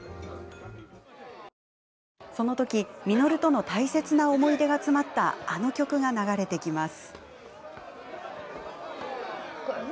そのとき稔との大切な思い出が詰まったあの曲が流れてきます。